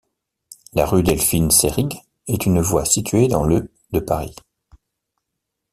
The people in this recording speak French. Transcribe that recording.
La rue Delphine-Seyrig est une voie située dans le de Paris.